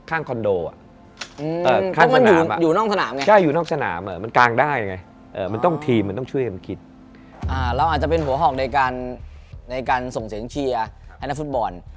เราอาจจะเป็นหัวหอกในการส่งเสียงเชียร์ให้นักฟุตบอล